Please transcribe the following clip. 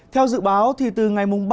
theo dự báo thì từ ngày mùng ba